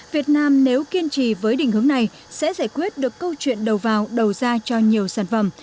việt nam nếu kiên trì với định hướng này sẽ giải quyết được câu chuyện đầu vào đầu ra cho nhiều sản phẩm